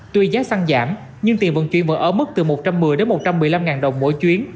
tuy giá xăng giảm nhưng tiền vận chuyển vẫn ở mức từ một trăm một mươi đến một trăm một mươi năm đồng mỗi chuyến